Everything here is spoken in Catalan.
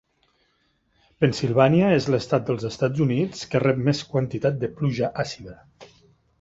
Pennsylvania és l'estat dels Estats Units que rep més quantitat de pluja àcida.